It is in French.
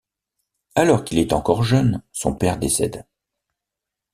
Alors qu'il est encore jeune, son père décède.